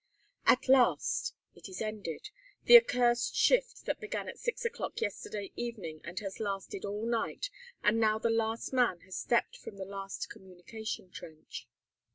At last! It is ended, the accursed shift that began at six o'clock yesterday evening and has lasted all night, and now the last man has stepped from the last communication trench.